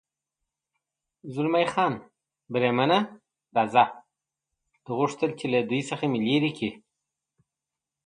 زلمی خان: بریدمنه، راځه، ده غوښتل چې له دوی څخه مې لرې کړي.